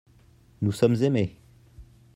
nous sommes aimés.